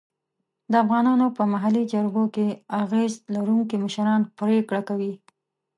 د افغانانو په محلي جرګو کې اغېز لرونکي مشران پرېکړه کوي.